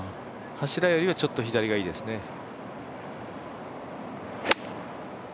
柱よりは、ちょっと左がいいですね。